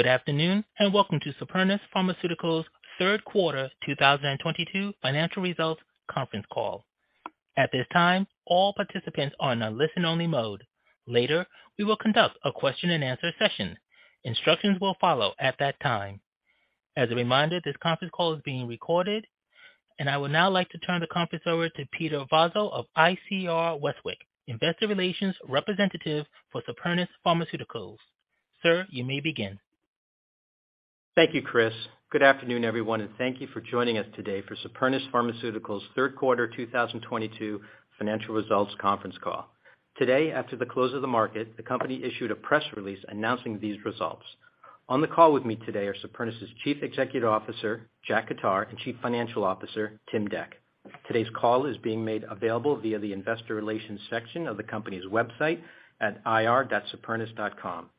Good afternoon, and welcome to Supernus Pharmaceuticals third quarter 2022 financial results conference call. At this time, all participants are on a listen only mode. Later, we will conduct a question and answer session. Instructions will follow at that time. As a reminder, this conference call is being recorded, and I would now like to turn the conference over to Peter Vozzo of ICR Westwicke, investor relations representative for Supernus Pharmaceuticals. Sir, you may begin. Thank you, Chris. Good afternoon, everyone, and thank you for joining us today for Supernus Pharmaceuticals third quarter 2022 financial results conference call. Today, after the close of the market, the company issued a press release announcing these results. On the call with me today are Supernus's Chief Executive Officer, Jack Khattar, and Chief Financial Officer, Tim Dec. Today's call is being made available via the investor relations section of the company's website at ir.supernus.com.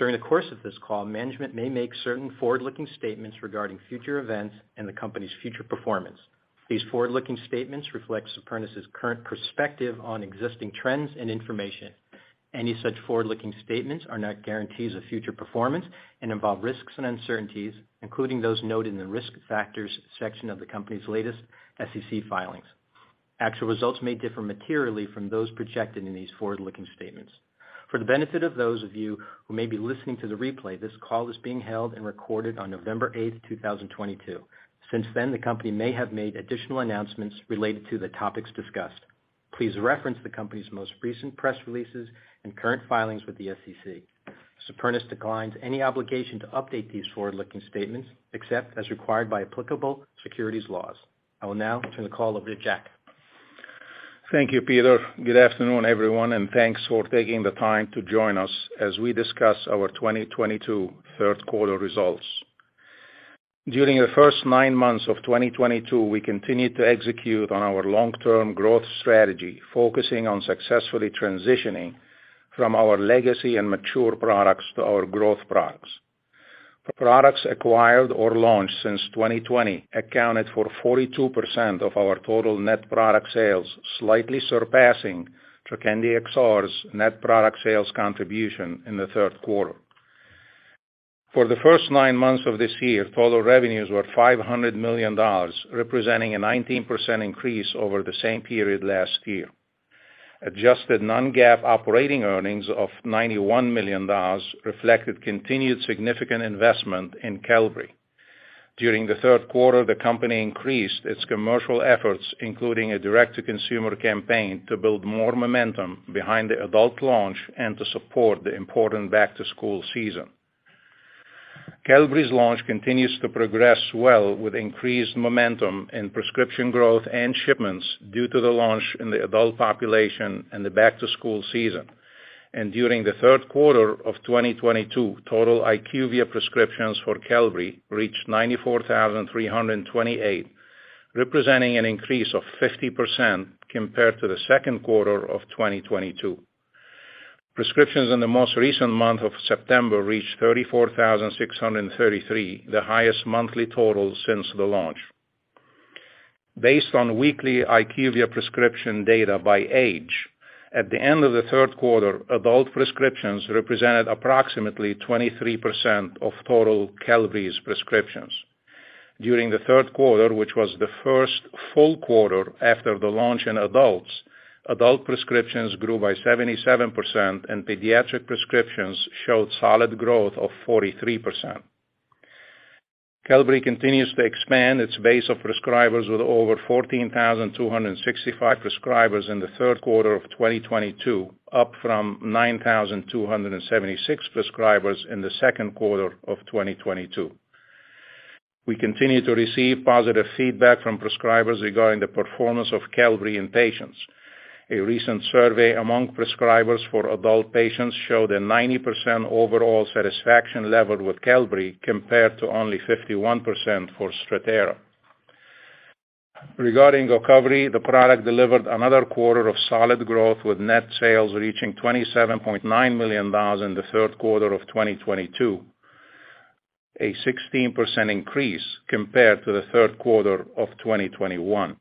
During the course of this call, management may make certain forward-looking statements regarding future events and the company's future performance. These forward-looking statements reflect Supernus's current perspective on existing trends and information. Any such forward-looking statements are not guarantees of future performance and involve risks and uncertainties, including those noted in the Risk Factors section of the company's latest SEC filings. Actual results may differ materially from those projected in these forward-looking statements. For the benefit of those of you who may be listening to the replay, this call is being held and recorded on November 8, 2022. Since then, the company may have made additional announcements related to the topics discussed. Please reference the company's most recent press releases and current filings with the SEC. Supernus declines any obligation to update these forward-looking statements except as required by applicable securities laws. I will now turn the call over to Jack. Thank you, Peter. Good afternoon, everyone, and thanks for taking the time to join us as we discuss our 2022 third quarter results. During the first nine months of 2022, we continued to execute on our long-term growth strategy, focusing on successfully transitioning from our legacy and mature products to our growth products. Products acquired or launched since 2020 accounted for 42% of our total net product sales, slightly surpassing Trokendi XR's net product sales contribution in the third quarter. For the first nine months of this year, total revenues were $500 million, representing a 19% increase over the same period last year. Adjusted non-GAAP operating earnings of $91 million reflected continued significant investment in Qelbree. During the third quarter, the company increased its commercial efforts, including a direct-to-consumer campaign, to build more momentum behind the adult launch and to support the important back to school season. Qelbree's launch continues to progress well with increased momentum in prescription growth and shipments due to the launch in the adult population and the back to school season. During the third quarter of 2022, total IQVIA prescriptions for Qelbree reached 94,328, representing an increase of 50% compared to the second quarter of 2022. Prescriptions in the most recent month of September reached 34,633, the highest monthly total since the launch. Based on weekly IQVIA prescription data by age, at the end of the third quarter, adult prescriptions represented approximately 23% of total Qelbree's prescriptions. During the third quarter, which was the first full quarter after the launch in adults, adult prescriptions grew by 77% and pediatric prescriptions showed solid growth of 43%. Qelbree continues to expand its base of prescribers with over 14,265 prescribers in the third quarter of 2022, up from 9,276 prescribers in the second quarter of 2022. We continue to receive positive feedback from prescribers regarding the performance of Qelbree in patients. A recent survey among prescribers for adult patients showed a 90% overall satisfaction level with Qelbree compared to only 51% for Strattera. Regarding Gocovri, the product delivered another quarter of solid growth with net sales reaching $27.9 million in the third quarter of 2022, a 16% increase compared to the third quarter of 2021.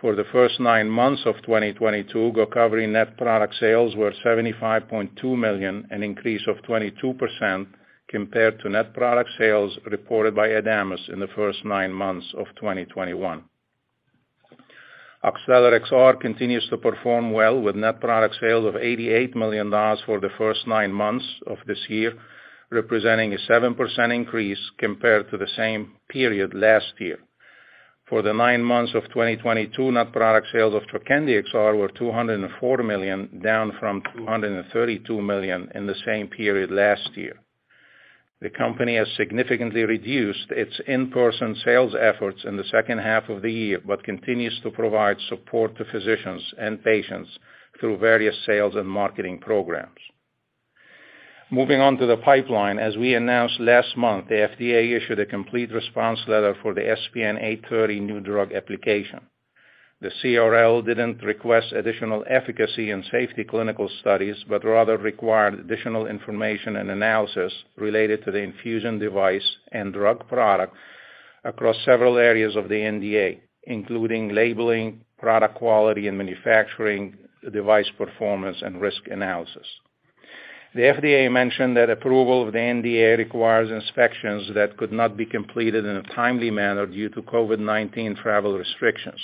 For the first nine months of 2022, Gocovri net product sales were $75.2 million, an increase of 22% compared to net product sales reported by Adamas in the first nine months of 2021. Oxtellar XR continues to perform well with net product sales of $88 million for the first nine months of this year, representing a 7% increase compared to the same period last year. For the nine months of 2022, net product sales of Trokendi XR were $204 million, down from $232 million in the same period last year. The company has significantly reduced its in-person sales efforts in the second half of the year but continues to provide support to physicians and patients through various sales and marketing programs. Moving on to the pipeline. As we announced last month, the FDA issued a complete response letter for the SPN-830 new drug application. The CRL didn't request additional efficacy and safety clinical studies, but rather required additional information and analysis related to the infusion device and drug product. Across several areas of the NDA, including labeling, product quality and manufacturing, device performance, and risk analysis. The FDA mentioned that approval of the NDA requires inspections that could not be completed in a timely manner due to COVID-19 travel restrictions.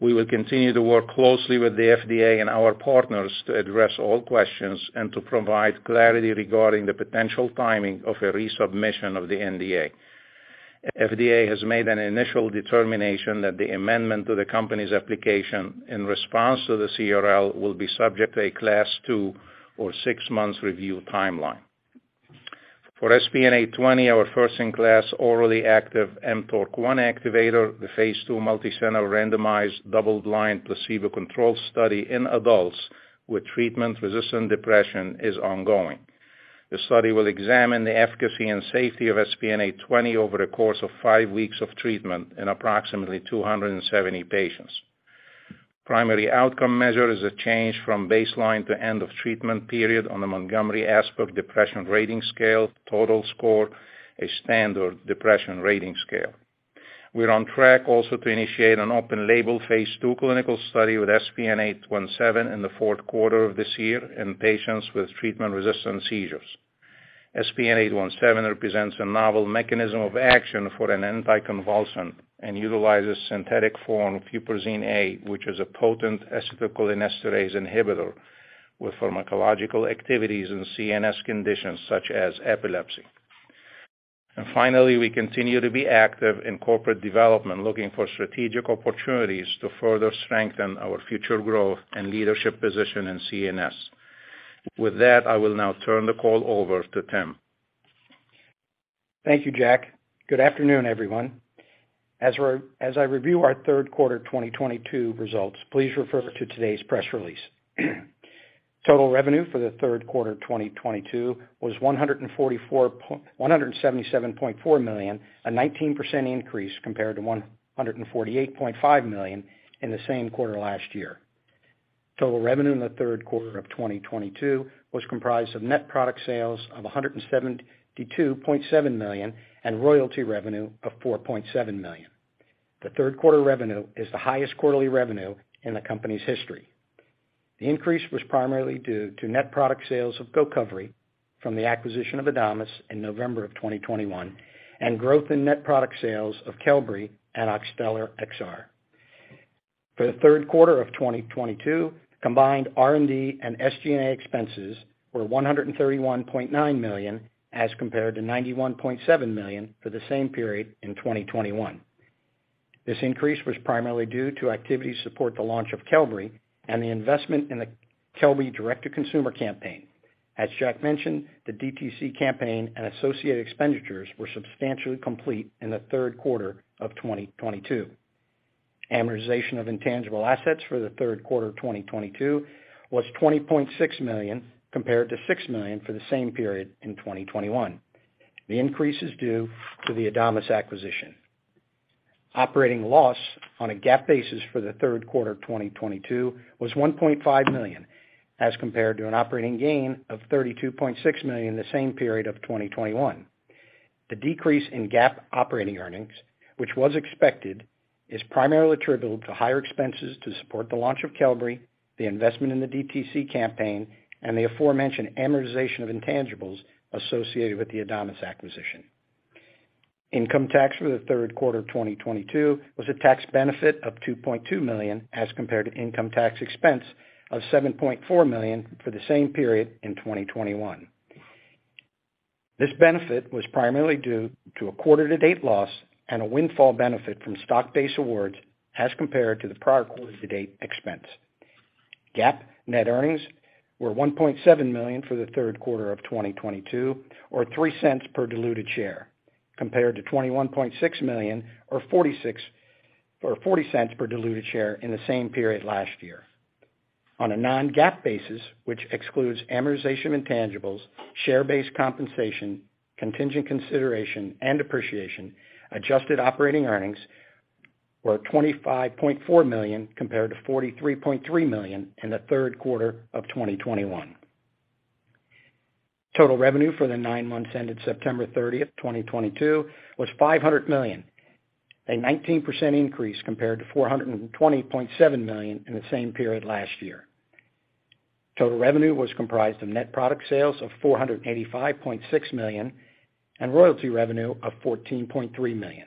We will continue to work closely with the FDA and our partners to address all questions and to provide clarity regarding the potential timing of a resubmission of the NDA. FDA has made an initial determination that the amendment to the company's application in response to the CRL will be subject to a Class 2 or 6-month review timeline. For SPN-820, our first-in-class orally active mTORC1 activator. The phase 2 multicenter randomized double-blind placebo-controlled study in adults with treatment-resistant depression is ongoing. The study will examine the efficacy and safety of SPN-820 over a course of 5 weeks of treatment in approximately 270 patients. Primary outcome measure is a change from baseline to end of treatment period on the Montgomery–Åsberg Depression Rating Scale, Total Score, a standard depression rating scale. We're on track also to initiate an open-label phase 2 clinical study with SPN-817 in the fourth quarter of this year in patients with treatment-resistant seizures. SPN-817 represents a novel mechanism of action for an anticonvulsant and utilizes synthetic form huperzine A, which is a potent acetylcholinesterase inhibitor with pharmacological activities in CNS conditions such as epilepsy. Finally, we continue to be active in corporate development, looking for strategic opportunities to further strengthen our future growth and leadership position in CNS. With that, I will now turn the call over to Tim. Thank you, Jack. Good afternoon, everyone. As I review our third quarter 2022 results, please refer to today's press release. Total revenue for the third quarter of 2022 was $177.4 million, a 19% increase compared to $148.5 million in the same quarter last year. Total revenue in the third quarter of 2022 was comprised of net product sales of $172.7 million and royalty revenue of $4.7 million. The third quarter revenue is the highest quarterly revenue in the company's history. The increase was primarily due to net product sales of Gocovri from the acquisition of Adamas in November 2021 and growth in net product sales of Qelbree and Oxtellar XR. For the third quarter of 2022, combined R&D and SG&A expenses were $131.9 million as compared to $91.7 million for the same period in 2021. This increase was primarily due to activities to support the launch of Qelbree and the investment in the Qelbree direct-to-consumer campaign. As Jack mentioned, the DTC campaign and associated expenditures were substantially complete in the third quarter of 2022. Amortization of intangible assets for the third quarter of 2022 was $20.6 million, compared to $6 million for the same period in 2021. The increase is due to the Adamas acquisition. Operating loss on a GAAP basis for the third quarter of 2022 was $1.5 million, as compared to an operating gain of $32.6 million in the same period of 2021. The decrease in GAAP operating earnings, which was expected, is primarily attributable to higher expenses to support the launch of Qelbree, the investment in the DTC campaign, and the aforementioned amortization of intangibles associated with the Adamas acquisition. Income tax for the third quarter of 2022 was a tax benefit of $2.2 million, as compared to income tax expense of $7.4 million for the same period in 2021. This benefit was primarily due to a quarter-to-date loss and a windfall benefit from stock-based awards as compared to the prior quarter-to-date expense. GAAP net earnings were $1.7 million for the third quarter of 2022 or $0.03 per diluted share, compared to $21.6 million or $0.40 per diluted share in the same period last year. On a non-GAAP basis, which excludes amortization of intangibles, share-based compensation, contingent consideration and depreciation, adjusted operating earnings were $25.4 million compared to $43.3 million in the third quarter of 2021. Total revenue for the nine months ended September 30, 2022 was $500 million, a 19% increase compared to $420.7 million in the same period last year. Total revenue was comprised of net product sales of $485.6 million and royalty revenue of $14.3 million.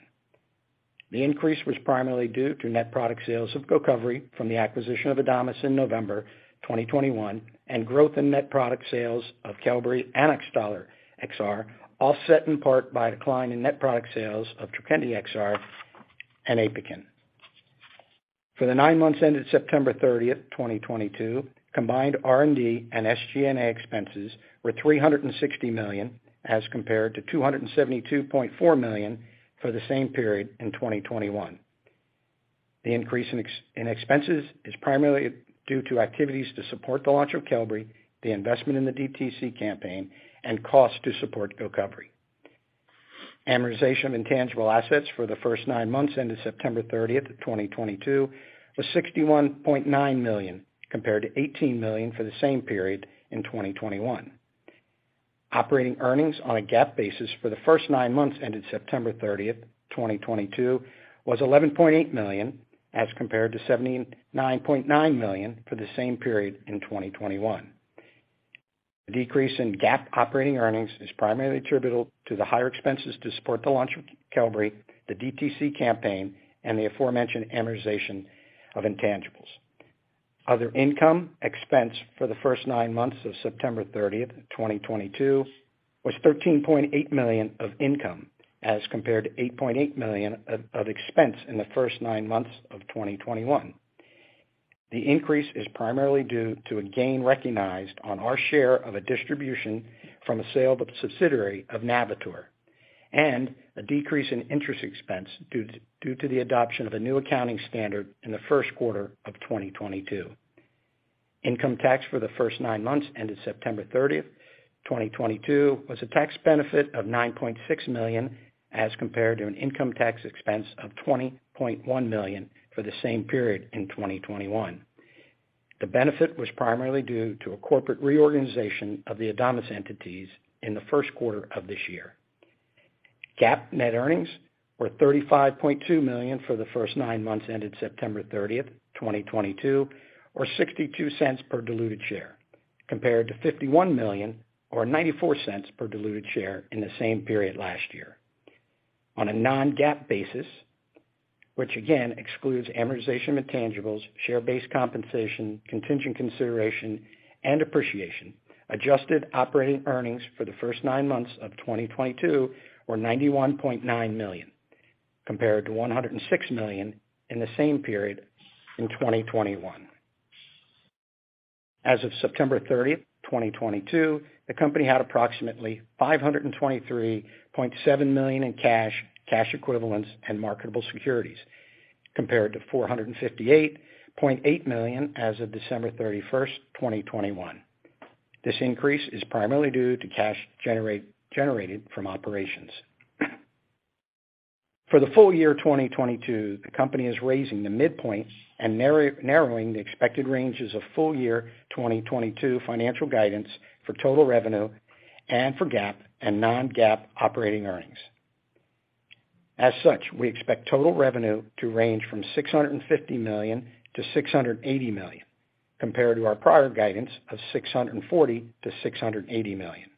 The increase was primarily due to net product sales of Gocovri from the acquisition of Adamas in November 2021 and growth in net product sales of Qelbree and Oxtellar XR, offset in part by a decline in net product sales of Trokendi XR and Apokyn. For the nine months ended September 30, 2022, combined R&D and SG&A expenses were $360 million as compared to $272.4 million for the same period in 2021. The increase in expenses is primarily due to activities to support the launch of Qelbree, the investment in the DTC campaign, and cost to support Gocovri. Amortization of intangible assets for the first nine months ended September 30, 2022 was $61.9 million compared to $18 million for the same period in 2021. Operating earnings on a GAAP basis for the first nine months ended September 30, 2022 was $11.8 million, as compared to $79.9 million for the same period in 2021. The decrease in GAAP operating earnings is primarily attributable to the higher expenses to support the launch of Qelbree, the DTC campaign, and the aforementioned amortization of intangibles. Other income expense for the first nine months of September 30, 2022 was $13.8 million of income, as compared to $8.8 million of expense in the first nine months of 2021. The increase is primarily due to a gain recognized on our share of a distribution from the sale of a subsidiary of Navitor, and a decrease in interest expense due to the adoption of a new accounting standard in the first quarter of 2022. Income tax for the first nine months ended September 30, 2022 was a tax benefit of $9.6 million, as compared to an income tax expense of $20.1 million for the same period in 2021. The benefit was primarily due to a corporate reorganization of the Adamas entities in the first quarter of this year. GAAP net earnings were $35.2 million for the first nine months ended September 30, 2022, or $0.62 per diluted share, compared to $51 million or $0.94 per diluted share in the same period last year. On a non-GAAP basis, which again excludes amortization of intangibles, share-based compensation, contingent consideration, and depreciation, adjusted operating earnings for the first nine months of 2022 were $91.9 million, compared to $106 million in the same period in 2021. As of September 30, 2022, the company had approximately $523.7 million in cash equivalents, and marketable securities, compared to $458.8 million as of December 31, 2021. This increase is primarily due to cash generated from operations. For the full year 2022, the company is raising the midpoint and narrowing the expected ranges of full year 2022 financial guidance for total revenue and for GAAP and non-GAAP operating earnings. As such, we expect total revenue to range from $650 million-$680 million, compared to our prior guidance of $640 million-$680 million.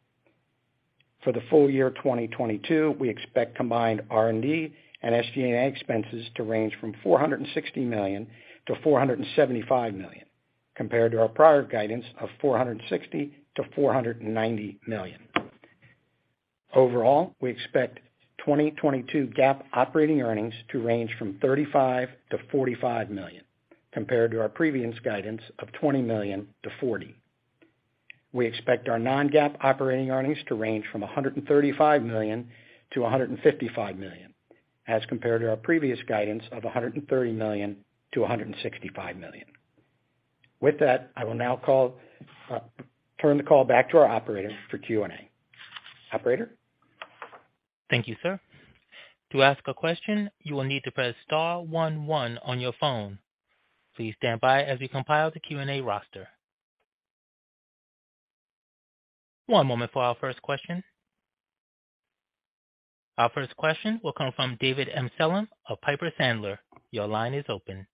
For the full year 2022, we expect combined R&D and SG&A expenses to range from $460 million-$475 million, compared to our prior guidance of $460 million-$490 million. Overall, we expect 2022 GAAP operating earnings to range from $35 million-$45 million, compared to our previous guidance of $20 million-$40 million. We expect our non-GAAP operating earnings to range from $135 million-$155 million, as compared to our previous guidance of $130 million-$165 million. With that, I will now turn the call back to our operator for Q&A. Operator? Thank you, sir. To ask a question, you will need to press star one one on your phone. Please stand by as we compile the Q&A roster. One moment for our first question. Our first question will come from David Amsellem of Piper Sandler. Your line is open.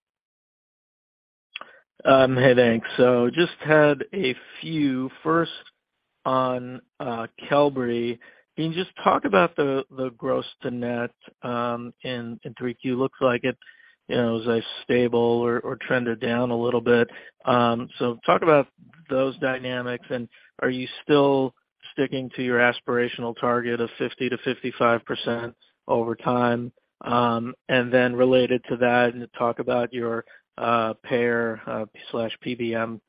Hey, thanks. Just had a few. First, on Qelbree. Can you just talk about the gross to net in 3Q? Looks like it, you know, was like stable or trended down a little bit. Talk about those dynamics. Are you still sticking to your aspirational target of 50%-55% over time? Then related to that, talk about your payer slash PBM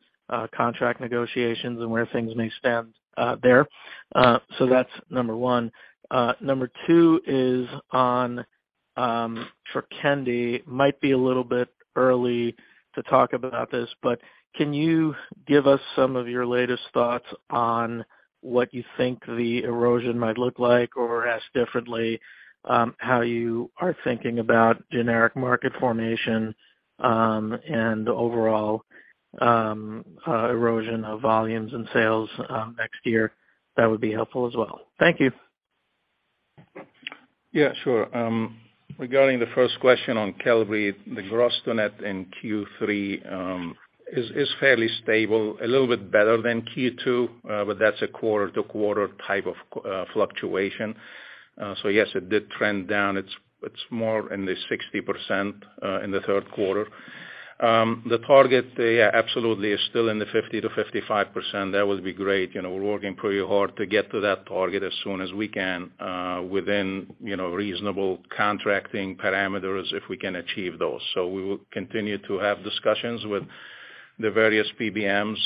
contract negotiations and where things may stand there. That's number one. Number two is on Trokendi. Might be a little bit early to talk about this, but can you give us some of your latest thoughts on what you think the erosion might look like? Asked differently, how you are thinking about generic market formation, and overall, erosion of volumes and sales, next year? That would be helpful as well. Thank you. Yeah, sure. Regarding the first question on Qelbree, the gross to net in Q3 is fairly stable, a little bit better than Q2, but that's a quarter-to-quarter type of fluctuation. So yes, it did trend down. It's more in the 60% in the third quarter. The target, yeah, absolutely is still in the 50%-55%. That would be great. You know, we're working pretty hard to get to that target as soon as we can, within reasonable contracting parameters if we can achieve those. So we will continue to have discussions with the various PBMs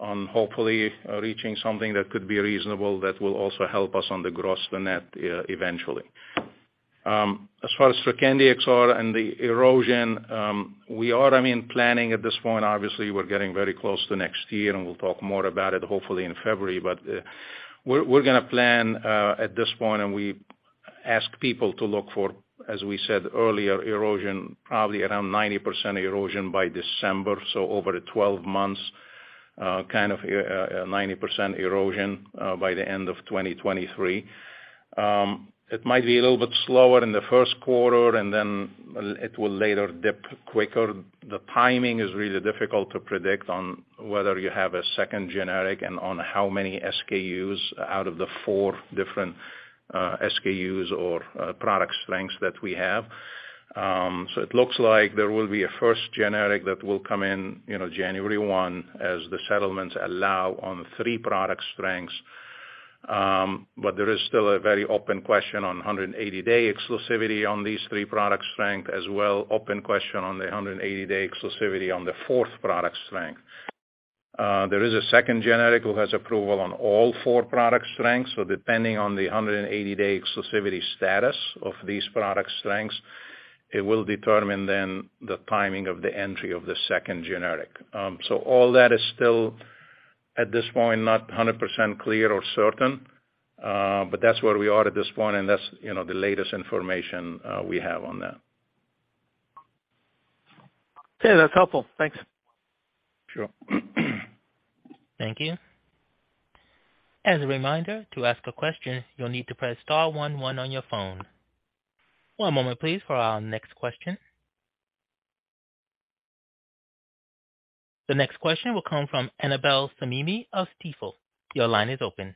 on hopefully reaching something that could be reasonable that will also help us on the gross to net eventually. As far as Trokendi XR and the erosion, we are, I mean, planning at this point. Obviously, we're getting very close to next year, and we'll talk more about it hopefully in February. We're gonna plan at this point, and we Ask people to look for, as we said earlier, erosion probably around 90% erosion by December. Over the 12 months, kind of 90% erosion by the end of 2023. It might be a little bit slower in the first quarter, and then it will later dip quicker. The timing is really difficult to predict on whether you have a second generic and on how many SKUs out of the 4 different SKUs or product strengths that we have. It looks like there will be a first generic that will come in, you know, January 1 as the settlements allow on 3 product strengths. There is still a very open question on 180-day exclusivity on these three product strength, as well open question on the 180-day exclusivity on the fourth product strength. There is a second generic who has approval on all four product strengths, so depending on the 180-day exclusivity status of these product strengths, it will determine then the timing of the entry of the second generic. All that is still at this point, not 100% clear or certain, but that's where we are at this point, and that's, you know, the latest information we have on that. Okay. That's helpful. Thanks. Sure. Thank you. As a reminder, to ask a question, you'll need to press star one one on your phone. One moment please for our next question. The next question will come from Annabel Samimy of Stifel. Your line is open.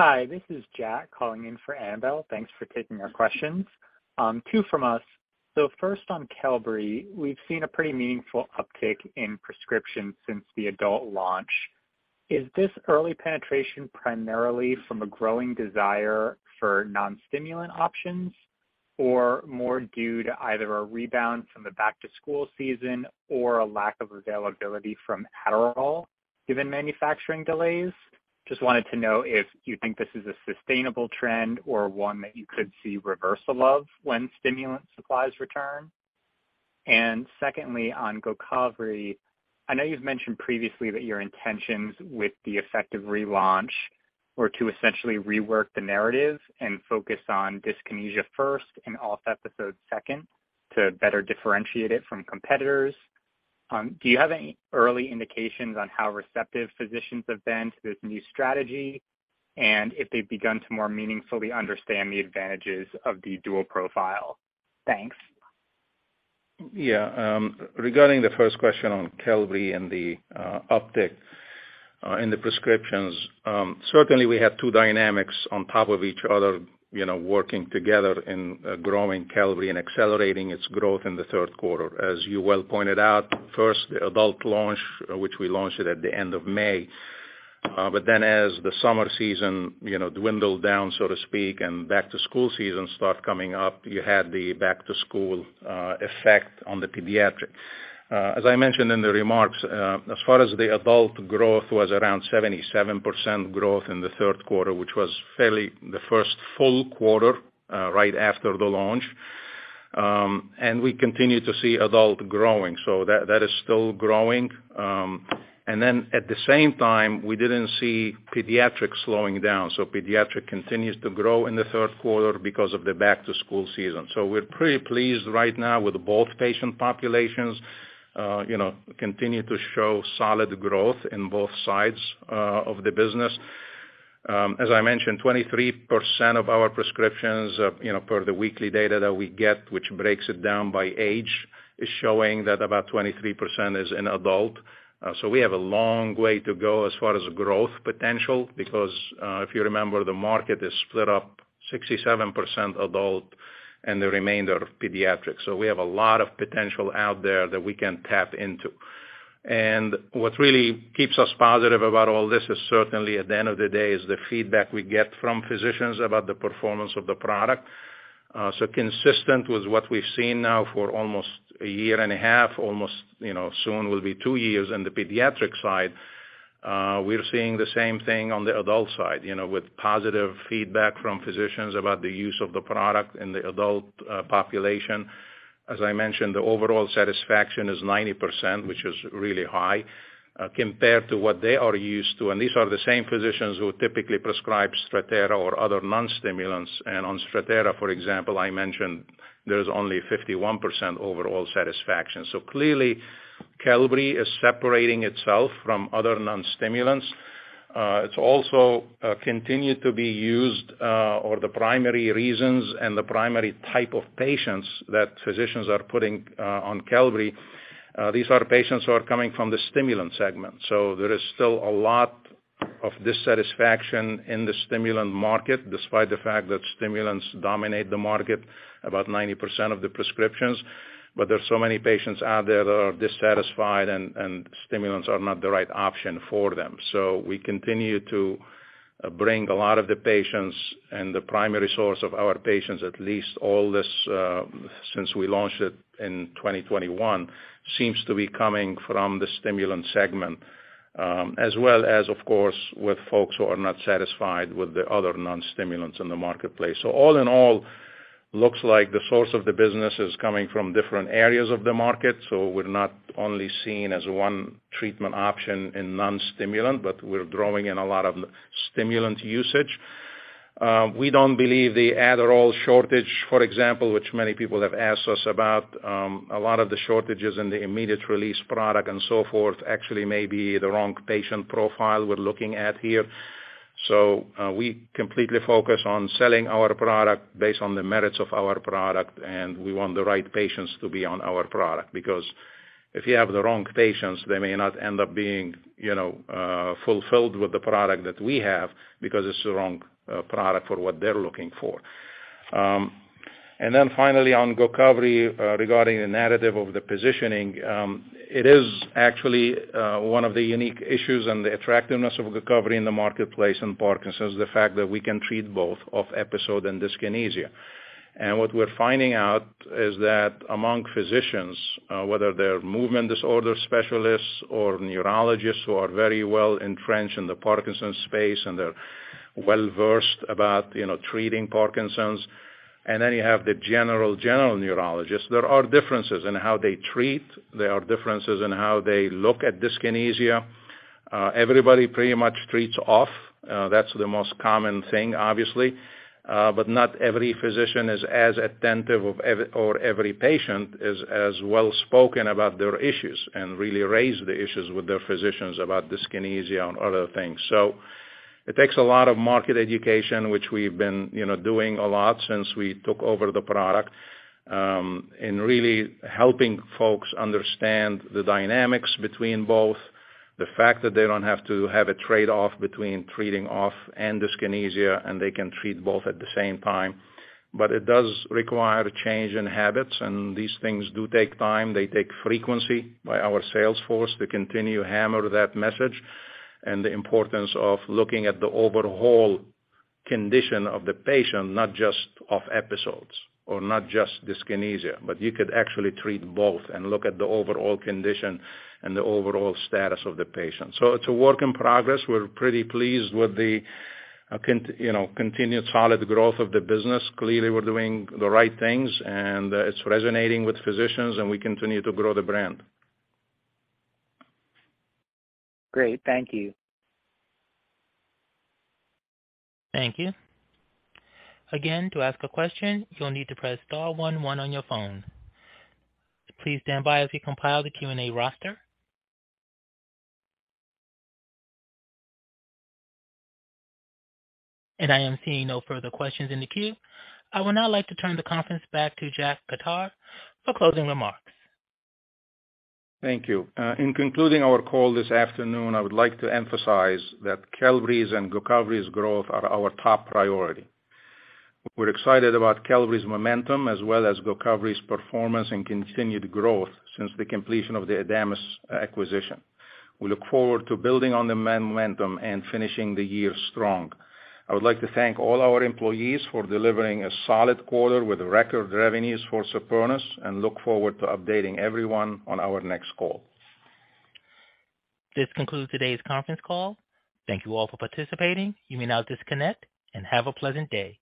Hi, this is Jack calling in for Annabel. Thanks for taking our questions. Two from us. First on Qelbree, we've seen a pretty meaningful uptick in prescriptions since the adult launch. Is this early penetration primarily from a growing desire for non-stimulant options or more due to either a rebound from the back to school season or a lack of availability from Adderall given manufacturing delays? Just wanted to know if you think this is a sustainable trend or one that you could see reversal of when stimulant supplies return. Secondly, on Gocovri, I know you've mentioned previously that your intentions with the effective relaunch were to essentially rework the narrative and focus on dyskinesia first and off episodes second to better differentiate it from competitors. Do you have any early indications on how receptive physicians have been to this new strategy and if they've begun to more meaningfully understand the advantages of the dual profile? Thanks. Yeah. Regarding the first question on Qelbree and the uptick in the prescriptions, certainly we have two dynamics on top of each other, you know, working together in growing Qelbree and accelerating its growth in the third quarter. As you well pointed out, first, the adult launch, which we launched it at the end of May. As the summer season, you know, dwindled down, so to speak, and back to school season start coming up, you had the back-to-school effect on the pediatric. As I mentioned in the remarks, as far as the adult growth was around 77% growth in the third quarter, which was fairly the first full quarter right after the launch. And we continue to see adult growing. That is still growing. At the same time, we didn't see pediatric slowing down. Pediatric continues to grow in the third quarter because of the back to school season. We're pretty pleased right now with both patient populations, you know, continue to show solid growth in both sides of the business. As I mentioned, 23% of our prescriptions, you know, per the weekly data that we get, which breaks it down by age, is showing that about 23% is in adult. We have a long way to go as far as growth potential because, if you remember, the market is split up 67% adult and the remainder pediatrics. We have a lot of potential out there that we can tap into. What really keeps us positive about all this is certainly at the end of the day, is the feedback we get from physicians about the performance of the product. So consistent with what we've seen now for almost a year and a half, almost, you know, soon will be two years in the pediatric side, we're seeing the same thing on the adult side. You know, with positive feedback from physicians about the use of the product in the adult population. As I mentioned, the overall satisfaction is 90%, which is really high, compared to what they are used to. These are the same physicians who typically prescribe Strattera or other non-stimulants. On Strattera, for example, I mentioned there's only 51% overall satisfaction. Clearly Qelbree is separating itself from other non-stimulants. It's also continued to be used for the primary reasons and the primary type of patients that physicians are putting on Qelbree. These are patients who are coming from the stimulant segment. There is still a lot of dissatisfaction in the stimulant market, despite the fact that stimulants dominate the market, about 90% of the prescriptions. There's so many patients out there that are dissatisfied and stimulants are not the right option for them. We continue to bring a lot of the patients and the primary source of our patients, at least all this, since we launched it in 2021, seems to be coming from the stimulant segment, as well as, of course, with folks who are not satisfied with the other non-stimulants in the marketplace. All in all looks like the source of the business is coming from different areas of the market, so we're not only seen as one treatment option in non-stimulant, but we're drawing in a lot of stimulant usage. We don't believe the Adderall shortage, for example, which many people have asked us about, a lot of the shortages in the immediate release product and so forth actually may be the wrong patient profile we're looking at here. We completely focus on selling our product based on the merits of our product, and we want the right patients to be on our product. Because if you have the wrong patients, they may not end up being, you know, fulfilled with the product that we have because it's the wrong product for what they're looking for. Finally on Gocovri, regarding the narrative of the positioning, it is actually one of the unique issues and the attractiveness of Gocovri in the marketplace in Parkinson's, the fact that we can treat both OFF episode and dyskinesia. What we're finding out is that among physicians, whether they're movement disorder specialists or neurologists who are very well entrenched in the Parkinson's space, and they're well-versed about, you know, treating Parkinson's. You have the general neurologists. There are differences in how they treat, there are differences in how they look at dyskinesia. Everybody pretty much treats OFF, that's the most common thing, obviously. Not every physician is as attentive of every or every patient is as well spoken about their issues and really raise the issues with their physicians about dyskinesia and other things. It takes a lot of market education, which we've been, you know, doing a lot since we took over the product in really helping folks understand the dynamics between both. The fact that they don't have to have a trade-off between treating OFF and dyskinesia, and they can treat both at the same time. It does require a change in habits, and these things do take time. They take frequency. By our sales force, we continue to hammer that message and the importance of looking at the overall condition of the patient, not just OFF episodes or not just dyskinesia, but you could actually treat both and look at the overall condition and the overall status of the patient. It's a work in progress. We're pretty pleased with the, you know, continued solid growth of the business. Clearly, we're doing the right things, and it's resonating with physicians, and we continue to grow the brand. Great. Thank you. Thank you. Again, to ask a question, you'll need to press star one one on your phone. Please stand by as we compile the Q&A roster. I am seeing no further questions in the queue. I would now like to turn the conference back to Jack Khattar for closing remarks. Thank you. In concluding our call this afternoon, I would like to emphasize that Qelbree and Gocovri's growth are our top priority. We're excited about Qelbree momentum as well as Gocovri's performance and continued growth since the completion of the Adamas acquisition. We look forward to building on the momentum and finishing the year strong. I would like to thank all our employees for delivering a solid quarter with record revenues for Supernus and look forward to updating everyone on our next call. This concludes today's conference call. Thank you all for participating. You may now disconnect and have a pleasant day.